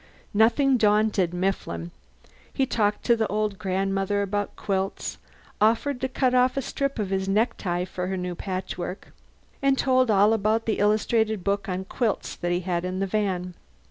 Nothing daunted Mifflin. He talked to the old grandmother about quilts; offered to cut off a strip of his necktie for her new patchwork; and told all about the illustrated book on quilts that he had in the van.